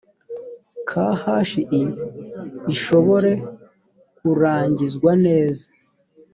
khi ishobore kurangizwa neza